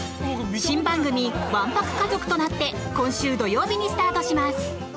新番組「１泊家族」となって今週土曜日にスタートします。